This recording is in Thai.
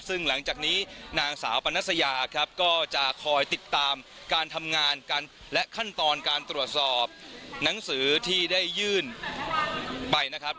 ซึ่งหลังจากนี้นางสาวปนัสยาครับก็จะคอยติดตามการทำงานกันและขั้นตอนการตรวจสอบหนังสือที่ได้ยื่นไปนะครับ